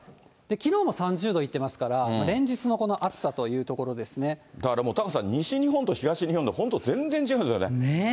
きのうも３０度いってますから、連日のこの暑さというところですだからもうタカさん、西日本と東日本で、本当、全然違うんですよね。